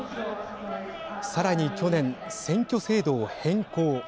さらに去年、選挙制度を変更。